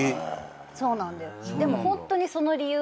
そうなんです。